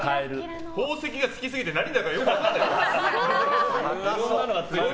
宝石がつきすぎて何だかよく分かんない。